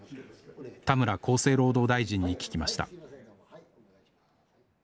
田村厚生労働大臣に聞きました